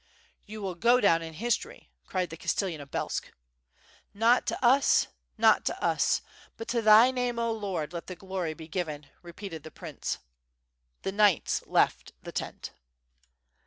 "You will go down in history," cried the Castellan of Belsk. "Not to us, not to us, but to Thy name 0 Lord, let the glory be given," repeated the prince. The knights left the tent.